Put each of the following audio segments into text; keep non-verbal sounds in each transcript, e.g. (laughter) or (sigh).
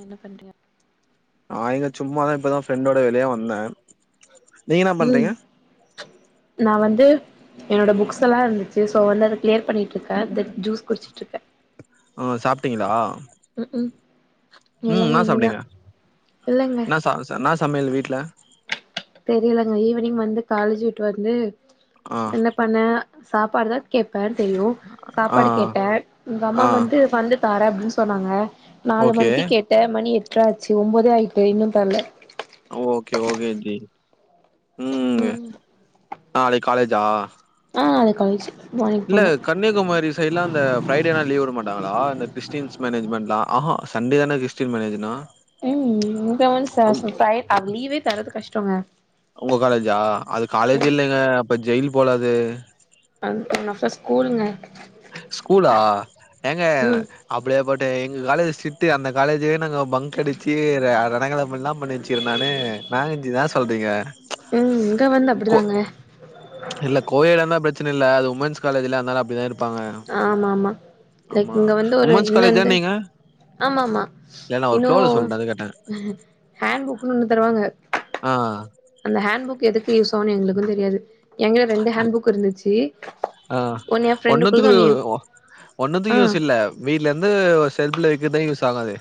என்ன பண்ற நான் இங்க சும்மாதா ப்பதா ஃப்ரெண்டோட வெளிய வந்த ம் நா வந்து என்னோட புக்ஸ் எல்லா இருந்துச்சு சோ வந்து அத கிளியர் பண்ணிட்டருக்க ஜூஸ் குடிச்சுட்ருக்க ம் சாப்ட்டிங்களா ம்க்கும் இல்ஙக இனிதா இல்லங்க சன்னா சமையல் வீட்ல தெரிய்லங்க ஈவினிங் வந்து காலேஜ் விட்டு வந்து இருக் ஆ என்னபண்ண சாப்பாடுதா கேட்பன் தெரியு ஆ சாப்பாடு கேட்ட ம் எங்க அம்மா ஆ வந்து வந்து தார அப்டின் சொன்னாங்க நாலு ஓகே மணிக்கு கேட்ட மணி எட்டர ஆச்சு ஒம்பதே ஆயிட்டு இன்னும் தர்ல ஓக்கே ஓக்கே ஜி உம் ம் நாளைக்கு காலேஜா அ அது கால்ஜு இல்ல கட் கன்னியாகுமாரி சைட்லா அந்த ப்ரைடேனா லீவ் வுடமாட்டாங்களா அந்த கிரிஸ்டின்ஸ் மேனேஜ்மெட்லா ஆஹா சண்டேதன விஷ் ஸ்டின் மேனேஜுன்னா உம் இங்க வந் ச ப்ரை லீவே தர்றது கஷ்டங்க உங்க காலேஜா அது காலேஜ் இல்லங்க அப்ப ஜெயில் போல அது அந் அப்புற ஸ்கூலுங்க ஸ்கூலா ஏங்க ம் அப்டியேபட்ட எங்க காலேஜ் சிட்டுங்க அந்த காலேஜே நாங்க பங்கடிச்சு அதலா கத அப்பில்லா பண்ணி வச்சுகிற நானு நாங்கஞ்சுதா இன்ன சொல்றீங்க ம் இங்க வந்து கோ அப்டிதாங்க இல்ல கோஎய்டாந்த பிரச்சின இல்ல அது உமன்ஸ் காலேஜில அதனால அப்டிதா இரு ஆமாமா லைக் இங்க வந்து ஒரு உமன்ஸ் காலேஜா இன்னந்து நீங்க ஆமாமா இல்ல நா ஒரு இன்னு ஃப்ளோல சொல்ட்டே அது கேட்டே ஹேண்ட் புக்னு ஒண்ணு தருவாங்க ஆ அந்த ஹேண்ட் புக் எதுக்கு யூஸ் ஆவுனு எங்ளுக்கு தெரியாது ஏங்கிட்ட ரெண்டு ஹேண்ட் புக் இருந்துச்சு ஒன்னு எ ஃப்ரெண்டு் குள்ளது ஒன்னு என் ஒண்ணுத்து யூஸ் இல்ல வீட்ல இருந்து செல்புல வெக்கதா யூஸ் ஆகு அது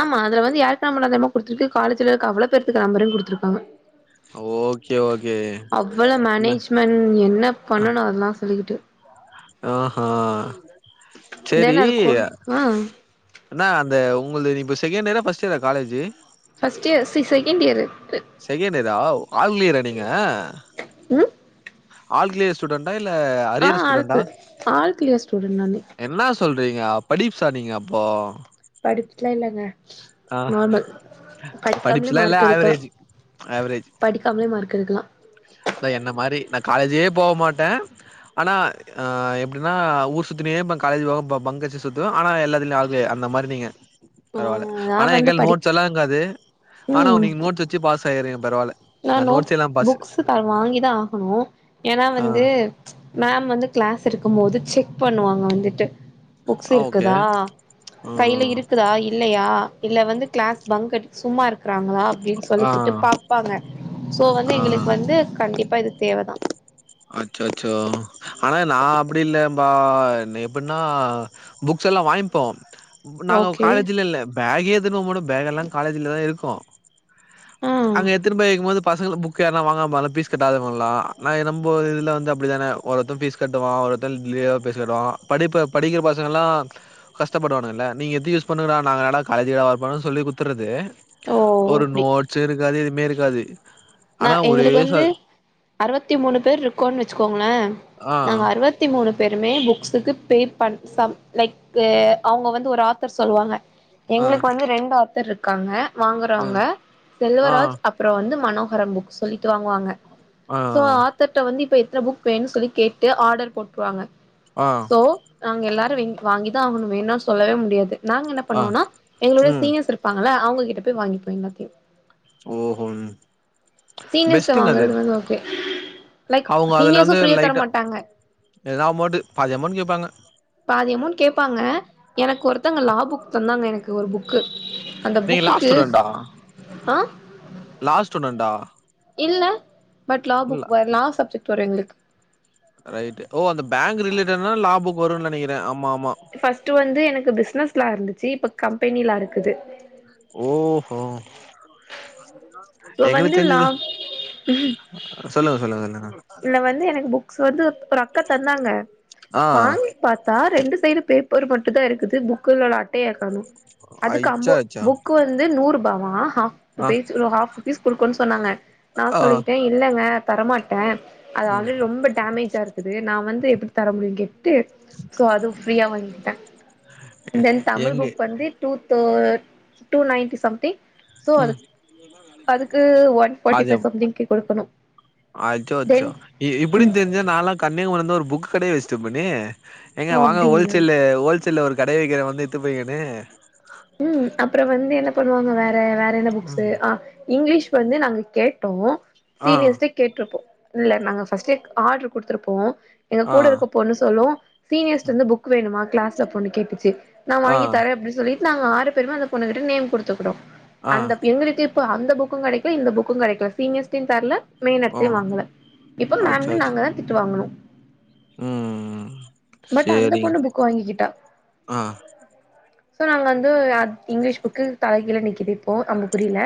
ஆமா அதுல வந்து யாருக்கு நம்புல அதுஎமோ குடுத்துக்கு காலேஜில இருக்கு அவ்ளோ பேத்துக்கு நம்பரைம் குடுத்துருக்காங்க ஓகே ஓகே மென் என்ன ஆ- பண்ணணு அதுலா சொல்லிக்கிட்டு ஆஹா செரி தென் அது கூ ஆ இன்ன அந்த உங்குள்து இப்ப செகண்ட் இயரா ஃபர்ஸ்ட் இயரா காலேஜி ஃபஸ்ட் இயர் சீ செகண்ட் இயரு செகேண்டதா ஆவ் ஆல்கிளியரா நீங்க ம் ஆள்கிளயர் ஸ்டூடண்டா இல்ல ஆ அரியர் ஸ்டூடண்டா ஆல்க்கு ஆல் கிளியர் ஸ்டூடெண்ட் நானு என்ன சொல்றீங்க அப் படிப்ஸ்ஸா நீங்க அப்போ படிப்ஸ்லா இல்லங்க ஆ நார்மல் படிக்காமலே படிப்ஸ்லா இல்ல ஆவ்ரேஜ் ஆவ்ரேஜ் படிக்காம்லே மார்க் எடுக்கலா அத என்ன மாரி நா காலேஜே போவ் மாட்டே ஆனா அ எப்டினா ஊர் சுத்தினியே இருப்ப காலேஜ் பக்கோ போ பங்கச்சி சுத்துவ ஆனா எல்லத்துலயு ஆள் கிளியர் அந்த மாதிரிங்க ஆ பரவால்ல நா ஆனா எங் வந்து கைல் படி நோட்ஸ் எல்லா இக்காது ஆனா ஒன்னு ம் நீங் நோட் வச்சு பாஸ் ஆயிறீங்க பரவால்ல நா நோட்ஸ் இல்லாம பாஸ் துதாலு வாங்கி தா ஆகணு ஏன்னா ஆ வந்து மேம் வந்து கிளாஸ் எடுக்கும் போது செக் பண்ணுவாங்க வந்துட்டு புக்ஸ் ஓகே. இருக்குதா ஆ கையில ஓகே இருக்குதா இல்லையா இல்ல வந்து கிளாஸ் பங்க்கடி சும்மா இருக்கிறாங்ளா அப்டின் ஆ சொல்லிக்கிட்டு பாப்பாங்க சோ வந்து ஆ ஆ எங்களுக்கு வந்து கண்டிப்பா இது தேவதா அச்சோ அச்சோ ஆனா நா அப்டி இல்லே பா எப்பின்னா புக்ஸ் எல்லா வாய்ங்ப்போ இப்ப நாங்க ஓகே காலேஜில இல்ல பேகே எத்தின்போ மாட்டோ பேக் எல்லா காலேஜிலதா இருக்கோ ஆ அங்க எத்தின் போய் வக்கிம்போது பசங்கல புக் யார்னா வாங்காம இர்பால பீஸ் கட்டாதவுங்கள நாங்க என்ன பண் போ இதுல வந்து அப்டித்தானே ஒர்ஒருத்த பீஸ் கட்டுவா ஒர்ஒருத்த லிய பீஸ் கட்டுவா படிப்பு படிக்கிற பசங்கலா கஷ்டப்படுவானுங்கல்ல நீங்க எத்து யூஸ் பண்ணுங்கடா நாங்க இன்னாட காலேஜிகாடா வரப்போறனு சொல்லி குத்துறது ஓ ஒரு அப்டி நோட்ஸ் இருக்காது எதுவுமே இருக்காது நா ஆனா ஒரே எங்ளுக்கு ச வந்து அறுவத்தி மூணு பேர்ருக்கோன் வச்சுக்கோங்ளே ஆ நாங்க அறுவத் தி மூணு பேருமே புக்ஸுக்கு பே பண் சம் லைக் தே அவுங்க வந்து ஒரு ஆத்தர் சொல்லுவாங்க ஆ எங்ளுக்கு வந்து ரெண்டு ஆத்தர் ருக்காங்க ஆ வாங்குறவங்க ஆ செல்வராஜ் அப்புற வந்து மனோ வரம்புக் சொல்லிட்டு வாங்குவாங்க ஆ சோ ஆத் த்தட்ட வந்து இப்ப எத்தன புக் வேணுன் சொல்லி கேட்டு ஆர்டர் போட்டுருவாங்க ஆ சோ நாங்க எல்லாரு வாங்கிதா ஆகணு வேணா சொல்லவே முடியாது நாங்க என்ன ஆ பண்ணுவோம்னா எங்களுடைய ம் சீனியர் பாங்கல்ல அவுங்க கிட்ட போய் வாங்கி போ எல்லத்தையு ஒ ஓ ம் சீனியர்ஸ் கிட்ட பெஸ்ட்டுங்க அது வாங்குறது வந்து ஓகே லைக் சீனியர்ஸும் ஃப்ரீயா தர மாட்டாங்க ஏதனா அமௌன்ட் பாதி அமௌன்ட் கேட்பாங்க பாதி அமௌன்ட் கேப்பாங்க எனக்கு ஒருத்தங்க லா புக் தந்தாங்க எனக்கு ஒரு புக் புக்கு அந்த நீங்க லா புக்குக்கு ஸ்டூடெண்டா ஆ லா ஸ்டுடென்ட் டா இல்ல பட் லா புக் வ லா சப்ஜெக்ட் வரு எங்களுக்கு ரைட் ஓ அந்த பேங்க் ரிலேட்டட்னா லா புக்கு வரும்னு நெனைக்கிறே ஆமா ஆமா ஃபர்ஸ்ட் வந்து எனக்கு பிசினஸ் லா இருந்துச்சி இப்ப கம்பெனி லா இருக்குது ஓஹோ இப்ப எங்களுக்கு வந்து தெரிஞ்சி லா இது சொல்லுங்க சொல்லுங்க சொல்லுங்க இல்ல வந்து எனக்கு புக்ஸ் வந்து ஒரு அக்கா தந்தாங்க ஆ வாங்கி பாத்தா ரெண்டு சைடு பேப்பரு மட்டு தா இருக்குது புக்குல உள்ள அட்டயாக்காணு அதுக்கு அச்சோ அம்போ அச்சோ புக் வந்து நூர் ரூபாவா ஆ ஒரு பேச்சி ஓரு ஆஃப் ருபீஸ் குடுக்கோன்னு சொன்னாங்க நா ஆ சொல்லிட்டே இல்லங்க தரமாட்ட அது ம் ஆல்ரெடி ரொம்ப டேமேஜா இருக்குது நா வந்து எப்டி தர முடியு கேக் ட்டு சோ அது ஃப்ரீயா வாங்கிட்டே தென் தமிழ் எங்க புக் வந்து டூ தோ டூ நைன்டி சம்திங் சோ ம் அதுக் அதுக்கு ஒன் ஃபாட் ஃபைவ் சம்திங்கு குடுக்கணு அச்சச்சோ தென் இப்டின் தெரிஞ்சா நாலா கன்னியாகுமரில இருந்து ஒரு புக் கடயே வேஸ்ட் இருப்பேனே எங்க ஓ வாங்க அப்டிங்களா ஹோல்சேல்லு ஹோல்சேல்ல ஒரு கடையே வெக்கிற வந்து எத்துப் பேங்கன்னு ம் அப்றோ வந்து என்ன பண்ணுவாங்க வேற வேற என்ன புக்ஸ்சு அ இங்கிலீஷ் வந்து நாங்க கேட்டோ ஆ சீனியர்ஸ்ட கேட்டிருப்போ இல்ல நாங்க ஃபர்ஸ்ட் ஆர்டர் குடுத்து இருப்போ எங்க ஆ கூட இருக்க பொண்ணு சொல்லு சீனியர்ஸ்ட இருந்து புக் வேணுமா கிளாஸ்ல பொண்ணு கேட்டுச்சி நா வாங்கி ஆ தரே அப்டி சொல்லி நாங்க ஆறு பேருமே அந்த பொண்ணுகிட்ட நேம் குடுத்து இருகாகுறோ ஆ அந்த எங்களுக்கே இப்ப அந்த புக்கு கெடைக்கல இந்த புக்கு கெடைக்கல சீனியஸ்டயு தர்ல மெயின் ஓ அட்டயே வாங்கல இப்போ மேமு அச்சோ கிட்ட அச்சோ நாங்க தா திட்டு வாங்கனோ ம் பட் அந்த சேரிங் பொண்ணு புக் வாங்கிக்கிட்டா ஆ இப்ப நாங்க வந்து அத் இங்கிலீஷ் புக்கு தலகீழ நிக்கிது இப்போ அம்பு குறில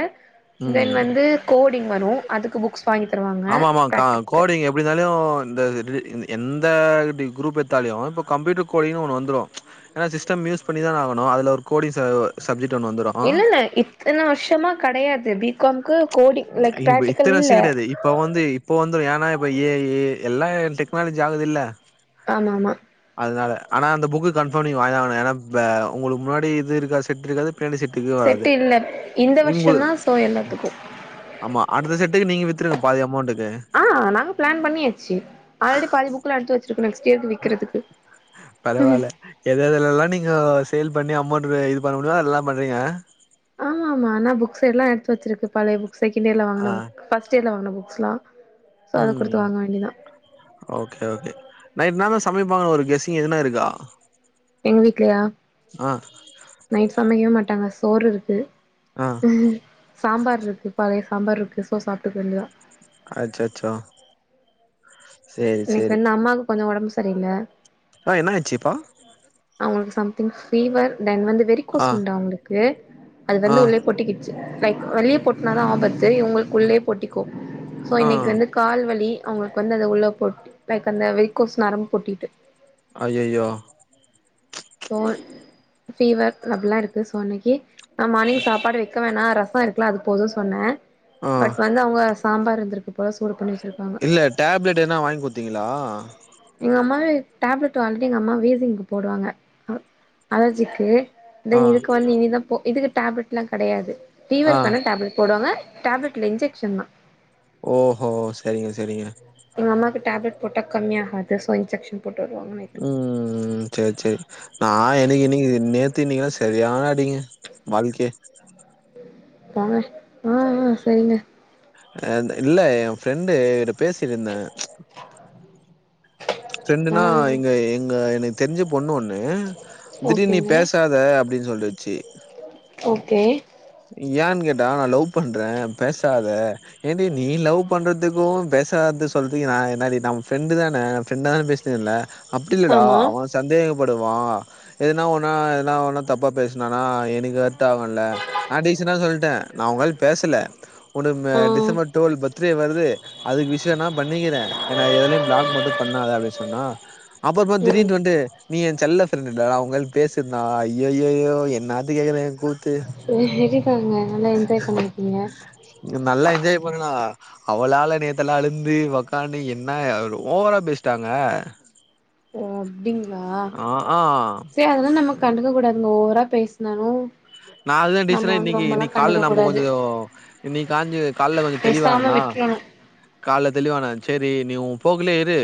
தென் ம் வந்து கோடிங் வரு அதுக்கு புக்ஸ் வாங்கி தருவாங்க பிராடிக்கு எப்டி இருந்தாலியோ இந்த இது இ எந்த குரூப் எத்தாலியு இப்ப கம்ப்யூட்டர் கோடிங்னு ஒன்னு வந்துரு ஏன்னா சிஸ்டம் யூஸ் பண்ணிதானே ஆகணு அதுல ஒரு கோடிங் ச சப்ஜட் ஒன்னு வந்துரு இல்லல்ல இத்தன வருஷமா கடையாது பி காம் கு கோடிங் லைக் இப்ப பிராட்டிகல் இத்தன இல்ல வருஷோ கெடையாது இப்ப வந்து இப்போ வந்து ஏன்னா இப்ப ஏ ஏ எல்லா டெக்னாலஜி ஆகுதுல்ல ஆம் ஆமா அதனால ஆனா அந்த புக்கு கன்ஃபம் நீங்க வாங்கிதா ஆகணு ஏன்னா அந்த உங்களுக்கு முன்னாடி இது இருக்கா செட் இருக்காது பின்னாடி செட்டுக்கு வராது செட்டு இல்ல இந்த வர்ஷோ உங்களு தா சோ எல்லாத்துக்கு ஆமா அடுத்த செட்டுக்கு நீங்க வித்துருங்க பாதி அமௌன்ட்டுக்கு ஆ நாங்க பிளான் பண்ணியாச்சு ஆல்ரெடி பாதி புக்லா எடுத்து வச்சிருகோ நெக்ஸ்ட் இயர்க்கு விக்குறக்கிறதுக்கு பரவால்ல எத ஏதல எல்லா நீங்க சேல் பண்ணி அமௌண்ட்இதுஸ இது பண்ண முடியு அதெல்லா பண்றீங்க ஆமா ஆமா ஆனா புக்ஸ் எல்லா எடுத்து வச்சிருக்கு பலய புக்ஸ் செகண்ட் இயர்ல ஆ வாங்கின ப ஃபர்ஸ்ட் இயர்ல வாங்கின புக்ஸ்ல்லா ம் ஓகே ஓகே நைட்ன தான் சமைப்பாங்க ஒரு கெசிங் எதுனா இருக்கா எங்க வீட்லயா ஆ நைட் சமைக்கவே மாட்டாங்க சோறு இருக்கு ஆ ம் சாம்பார் இருக்கு பலய சாம்பார் இருக்கு சொ சாப்ட்டுக்க வண்டி தால்த அச்சாசோ இனிக்கி வந்து அம்மாவுக்கு கொஞ்சோ உடம்பு சரியில்ல ஆ என்ன ஆச்சுப்பா அவங்களுக்கு சம்திங் பிவர் தென் வந்து வெரகோஸ் ஆ உண்டா அவங்களுக்கு அது ஆ வந்து உள்ளே பொட்டிக்கிட்டு லைக் வெளியே போட்டனாதா ஆபத்து இவுங்களுக்குள்யே போட்டிகோ சொ ஆ இனிக்கு வந்து கால்வலி அவங்களுக்கு வந்து அத உள்ள போட்டு லைக் அந்த வெறிக்கோஸ் நர போட்டிட்டு ஐ ஐயயோ சோ ஃபீவர் அப்பிடல்லா இருக்கு சோ அன்னைக்கு நான் மார்னிங் சாப்பாடு வைக்க வேணா ரச இருக்கலா அது போது சொன்ன ஆ பட் வந்து அவங்க சாம்பார் இருந்துருக்கு போல சூடு பண்ணி வச்சிருக்காங்க இல்ல டேப்லெட் எதுனா வாங்கி கொடுத்தீங்களா எங்க அம்மாவே டேப்லெட் ஆல்ரெடி எங்க அம்மா விசிங்கு போறங்க அலர்ஜிக்கு ஆ தென் இதுக்கு வந்து இனிதான்றன போ இதுக்கு டேப்லட்ல்லா கிடையாது ஆ பீவர்க்கு டேப்லெட் போடுவாங்க டேப்லெட் இல்ல இன்ஜெக்ஷ தா ஓஹோ சேரிங்க சேரிங்க எங்க அமாக்கு டேப்லட போட்டா கம்மிய ஆகது ஸோ இன்ஜெக்ஷ போட்டு வருவாங்க நைட்டு ம் சேரி சேரி நா எனக்கு இன்னைக்கு நேத்து இன்னீங்கா சரியான அடிங்க வால்கே போங்க ஆஹ்ஹ் சேரிங்க இல்ல என் ஃப்ரெண்டு எங்கிட்ட பேசிட்ருந்தே (inaudible) ஆ ஃபிரண்டுனா இங்க எங்க எனக்கு தெரிஞ்ச பொண்ணு ஒன்னு திடீ நீ ஓகேங்க பேசாத அப்டின்னு சொல்லுச்சு ஓகே ஏன்னு கேட்டா நா லவ் பண்றே பேசாத ஏன்டி நீ லவ் பண்றதுக்கு பேசாதது சொல்லறக்கு நா என்னாடி நம் ஃப்ரெண்ட் தானே ஃபன்ரெண்ட தானே பேசினலே அப்டி இல்லடா ஆமா அவன் சந்தேகப்படுவா எதுனா ஒன்னா எனா ஒன்னா தப்பா பேசுனனா எனக்கு வருந்த ஆகும்ல நா டிசண்டா சொல்லிட்டே நா உங்கள பேசல உ ஆ டிசம்பர் டுவல் பத்து த்த வருது அதுக்கு விஷய நா பண்ணிக்கிறே ஏனா எதலேயூ பிளாக் மட்டு பண்ணாதே அப்டின்னு சொன்னா அப்போ அப்போ ம் திடீனு வந்துட்டு நீ என் செல்ல ஃப்ரெண்டுட நா அவங்கள பேசிருந்தா அய்யய்யோ என்னான் கேகுறே கூத்து சரிதாங்க நல்லா என்ஜாய் பண்ணிருக்கீங்க நல்லா என்ஜாய் பண்ணலா அவளால நேத்தல அழுந்து ஓக்கான்னு என்ன ஓவரா பேசிட்டாங்க ஓ அப்டிங்களா ஆ ஆ சேரி அததா நம்ம கண்டுக்க கூடாதுங்க ஓவரா பேசினானு நா அதுதா டீசரன் இன்னைக்கு இன்னைக்கு கால நம்ம கூடாது கொஞ்சோ இன்னிக்கு காஞ்சு காலைல கொஞ்சோ பேசாம தெளிவானேனா விட்றணு காலைல தெளிவானே சேரி நீ உ போக்லே‌ இரு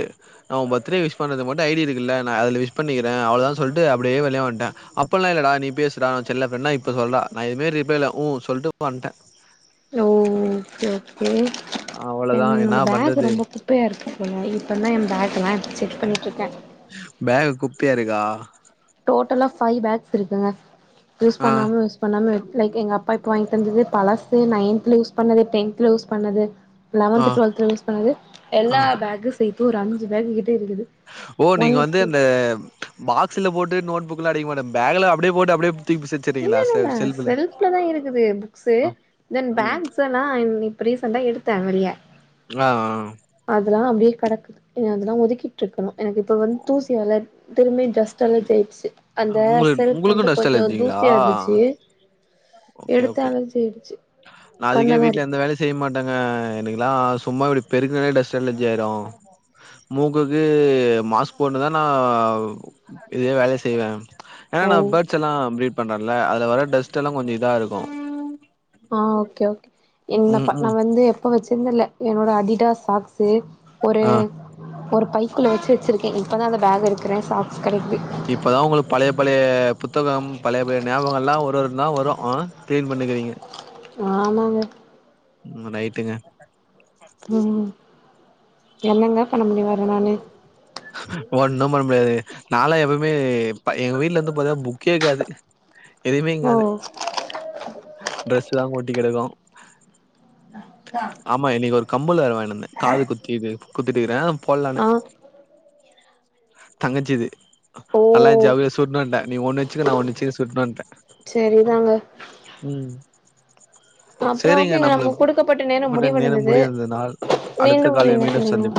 அவே பர்த்டே விஷ் பண்ணுது மட்டு ஐ டி இருக்குல்ல நா அத்ல விஷ் பண்ணிக்குறேன் அவ்ளோ தா சொல்ட்டு அப்டியே வெளிய வந்ட்டே அப்பல்லாம் இல்லடா நீ பேசுடா செல்லம் வேண்ணா இப்ப சொல்றா நா எதுமே ரிப்லே இல்ல உ சொல்ட்டு வந்ட்டே உ இட்ஸ் ஓகே அவ்ளோதா என்னா என்னினோட பேக் பண்றது ரொம்ப குப்பையா இருக்கு போல இப்பதான் ஏ பேக் ல்லா எடுத்து செக் பண்ணிட்டுருக்கே பேக்கு குப்பையா இருக்கா டோட்டலா ஃபைவ் பேக்ஸ் இருக்குங்க யூஸ் ஆ பண்ணாம யூஸ் பண்ணாம லைக் எங்க அப்பா இப்ப வாங்கி தந்துது் பழசு நைன்த்ல யூஸ் பண்ணது டென்த்ல யூஸ் பண்ணது ஆ லெவன்த் டுவெல்த்ல யூஸ் பண்ணது ஆ எல்லா பேக் சேத்தும் ஒரு அஞ்சு பேக் கிட்ட இருக்குது ஓ நீங்க ஒன் வந்து டூ இந்த பாக்ஸ்ல போட்டு நோட் புக் லா அடிக்க மாட்டே பேக்ல அப்டியே போட்டு அப்டியே தூக்கி ப் செட் இல்லல்ல செல்ஃப்லதா இருக்குது புக்ஸு தென் ம் பேக்ஸ் எல்லாம் இப்ப ரீசண்டா எடுத்தே வெளிய ஆ ஆ அதெல்லாம் அப்டியே கடக்குது அதெல்லாம் ஒதுக்கிட்டு இருக்கோ எனக்கு இப்ப வந்து தூசிலா அலர் திரும்பயு டஸ் தொல்ல போயிருச்சு ஆ அந்த உங்களுக்கு செல்ப் உங்களுக்கு வந்து டஸ்ட் கொஞ்சோ அலர்ஜிங்களா தூசியா இருந்துச்சு ஓகே எடுத்து ஓகே அலர்ஜியாயிடுச்சு நா அதுக்கே கண்ணெல்லா வீட்டுல எந்த இருக்கு வேலை செய்ய மாட்டேங்க எனக்குல்லா சும்மா இப்டி பெருக்னாலே டஸ்ட் அலர்ஜி ஆயிரு மூக்குக்கு மாஸ் போட்டுதா நா இதே வேலையே செய்வே ஏ ஓ நா பேர்ட்ஸ் எல்லா பிரீட் பண்றேல அதுல வர்ற டஸ்ட் எல்லா கொஞ்சோ இதா இருக்கு அ ஓகே ஓகே என்ன ம் ப நா ம் வந்து எப்போ வச்சிருந்தேல என்னோட அடிடாஸ் சாக்ஸு ஒரு ஆ ஒரு பைக்குள்ள வச்சு வச்சிருக்கே இப்பதா அந்த பேக் எடுக்கிறே சாக்ஸ் கெடக்கிது இப்பதா ஒங்களுக்கு பழைய பழைய புத்தகம் பழைய பழைய ஞாபகங்கள்லா ஒரு ஒன்னா வரு அ க்ளீன் பண்ணிக்கிறீங்க ஆமாங்க ம் ரைட்டுங்க ம் என்னங்க பண்ண முடியு வேற நானு ஒண்ணு பண்ண முடியாது நாலா எப்பைமே ப எங்க வீட்ல ந்து பாத்தீங்னா புக்கே க்காது எதும்மே ஓ ங்காது ட்ரெஸ் தா கொட்டி கெடக்கு தா ஆமா இன்னிக்கி ஒரு கம்மல் வேற வாங்கினுவந்தே காது குத்திடு குத்திட்டுக்கீறே போட்லான்னு ஆ தங்கச்சிது ஓ நல்லா ஜவ்வேஸ் சுட்னுவன்ட்டே நீ ஒன்னுச்சுக்க நா ஒன்னுச்க்றே சுட்னுவன்ட்டே செரிதாங்க ம் அப்றோ சேரிங்க ஓகேங்க நம்மளுக்கு நமக்கு குடுக்கப்பட்ட நேரோ பட்ட நேரம் முடிவடைந்தது முடிந்ததனால் மீண்டு அடுத்த ஒரு காலில் மீண்டும் இணைப்பில் இணைவோ சந்திப்போம்